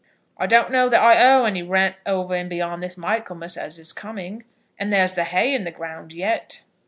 "I don't know that I owe any rent over and beyond this Michaelmas as is coming, and there's the hay on the ground yet."